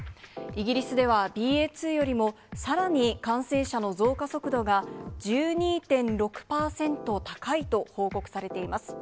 イギリスではＢＡ．２よりもさらに感染者の増加速度が１２．６％高いと報告されています。